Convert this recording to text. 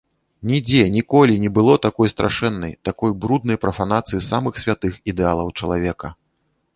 Нідзе ніколі не было такой страшэннай, такой бруднай прафанацыі самых святых ідэалаў чалавека.